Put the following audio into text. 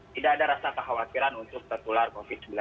tidak ada rasa kekhawatiran untuk tertular covid sembilan belas